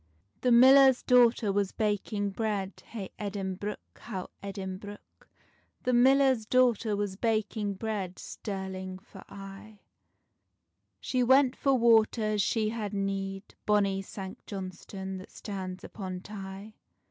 The millar's daughter was baking bread, Hey Edinbruch, how Edinbruch. The millar's daughter was baking bread, Stirling for aye: She went for water, as she had need, Bonny Sanct Johnstonne that stands upon Tay.